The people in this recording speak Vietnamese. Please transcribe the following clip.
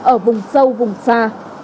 ở vùng sâu vùng xa